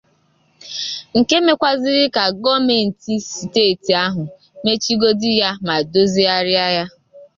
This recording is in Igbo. nke mekawazịrị ka gọọmenti steeti ahụ mechigodi ya ma dozigharịa ya